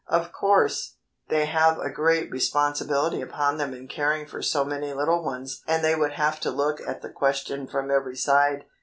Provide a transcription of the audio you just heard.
Of course, they have a great responsibility upon them in caring for so many little ones and they would have to look at the question from every side.